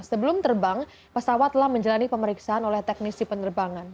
sebelum terbang pesawat telah menjalani pemeriksaan oleh teknisi penerbangan